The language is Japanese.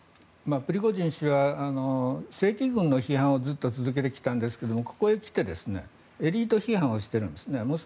プリゴジン氏は正規軍の批判をずっと続けてきたんですがここへ来てエリート批判をしているんですね。